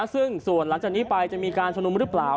ซึ่งส่วนหลังจากนี้ไปจะมีการชุมนุมหรือเปล่า